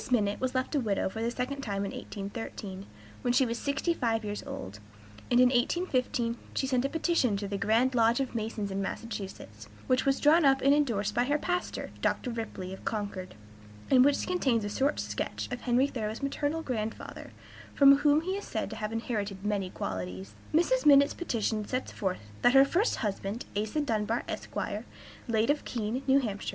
Minott was left a widow for the second time in 1813, when she was sixty five years old, and in 1815 she sent a petition to the Grand Lodge of Masons in Massachusetts, which was drawn up and indorsed by her pastor, Dr. Ripley, of Concord, and which contains a short sketch of Henry Thoreau's maternal grandfather, from whom he is said to have inherited many qualities. Mrs. Minott's petition sets forth "that her first husband, Asa Dunbar, Esq., late of Keene, N. H.